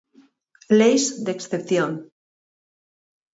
Leis de excepción.